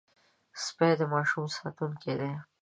سپي د ماشوم ساتونکي دي.